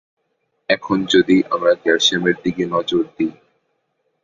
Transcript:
এখন যদি আমরা ক্যালসিয়াম এর দিকে নজর দেই।